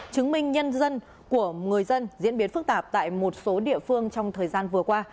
chứng minh nhân dân của người dân diễn biến phức tạp tại một số địa phương trong thời gian vừa qua